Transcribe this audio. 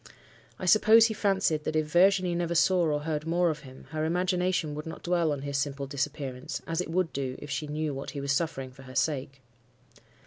I suppose he fancied that, if Virginie never saw or heard more of him, her imagination would not dwell on his simple disappearance, as it would do if she knew what he was suffering for her sake.